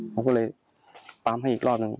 เขาก็เลยปั๊มให้อีกรอบหนึ่ง